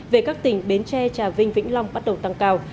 về các tỉnh bến tre trà vinh vĩnh long bắt đầu tăng cao